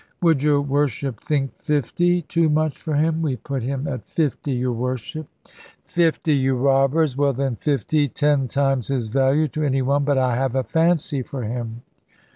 "Would your Worship think fifty too much for him? We put him at fifty, your Worship." "Fifty, you robbers! Well, then, fifty. Ten times his value to any one. But I have a fancy for him."